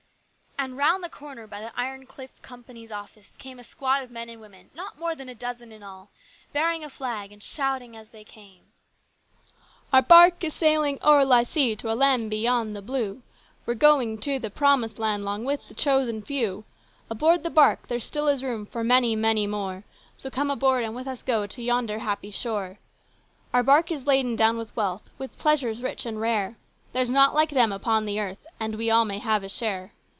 And round the corner by the Iron Cliffs Company's office came a squad of men and women, not more than a dozen in all, bearing a flag and shouting as they came :" Our bark is sailing o'er life's sea, to a land beyond the blue, We're going to the promised land 'long with the chosen few ; Aboard the bark there still is room for many, many more, So come aboard and with us go to yonder happy shore. Our bark is laden down with wealth, with pleasures rich and rare : There's naught like them upon the earth, and we all may have a share.